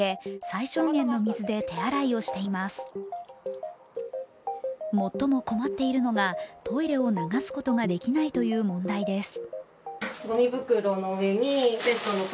最も困っているのが、トイレを流すことができないという問題です。